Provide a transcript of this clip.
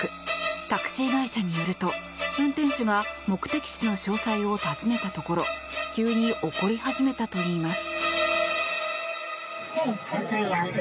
タクシー会社によると運転手が目的地の詳細を尋ねたところ急に怒り始めたといいます。